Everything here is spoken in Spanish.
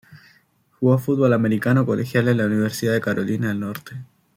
Jugó fútbol americano colegial en la Universidad de Carolina del Norte.